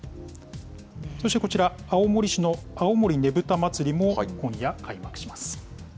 そしてこちら、青森市の青森ねぶた祭も今夜開幕します。